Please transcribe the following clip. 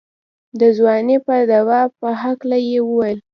د ځوانۍ د دوا په هکله يې وويل.